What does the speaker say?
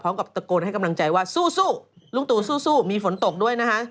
ตะโกนให้กำลังใจว่าสู้ลุงตู่สู้มีฝนตกด้วยนะคะ